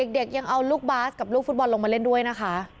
ยังเอาลูกบาสกับลูกฟุตบอลลงมาเล่นด้วยนะคะ